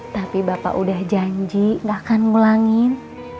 tapi bapak udah janji gak akan ngulangin